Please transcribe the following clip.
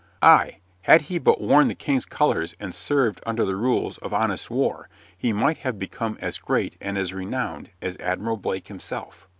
Aye, had he but worn the king's colors and served under the rules of honest war, he might have become as great and as renowned as Admiral Blake himself.